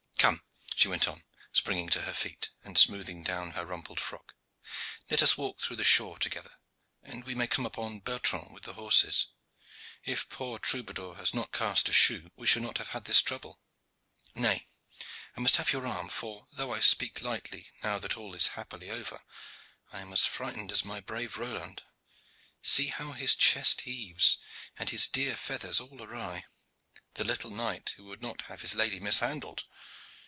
Come," she went on, springing to her feet, and smoothing down her rumpled frock, "let us walk through the shaw together, and we may come upon Bertrand with the horses. If poor Troubadour had not cast a shoe, we should not have had this trouble. Nay, I must have your arm: for, though I speak lightly, now that all is happily over I am as frightened as my brave Roland. See how his chest heaves, and his dear feathers all awry the little knight who would not have his lady mishandled."